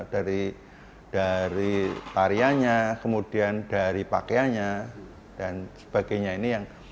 dari tarianya kemudian dari pakaianya dan sebagainya